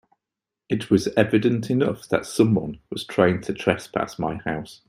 It is evident enough that someone was trying to trespass my house.